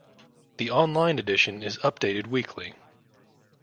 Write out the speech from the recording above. The online edition is updated weekly.